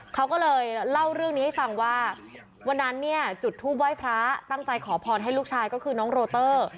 เขาก็เลยเล่าเรื่องนี้ให้ฟังว่าวันนั้นเนี่ยจุดทูปไหว้พระตั้งใจขอพรให้ลูกชายก็คือน้องโรเตอร์